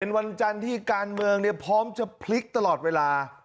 วันจันทร์ที่การเมืองพร้อมจะพลิกตลอดเวลา